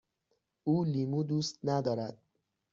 او لیمو دوست ندارد.